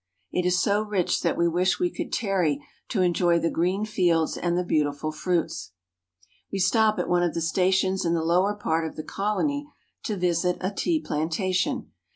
It is so rich that we wish we could tarry to enjoy the green fields and the beautiful fruits. We stop at one of the stations in the lower part of the colony to visit a tea plantation.